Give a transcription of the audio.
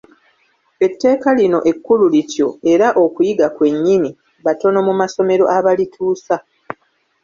Etteeka lino ekkulu lityo era okuyiga kwennyini, batono mu masomero abalituusa.